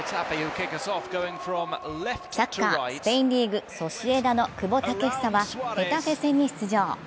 サッカースペインリーグ、ソシエダの久保建英はヘタフェ戦に出場。